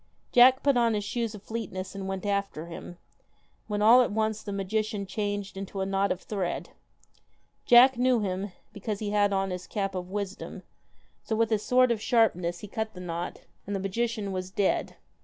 Jack put on his shoes of swiftness and went after him, when all at once the magician changed into a knot of thread. Jack knew him, because he had on his cap of wisdom, so with his sword of sharpness, he cut the knot, and the magician was dead.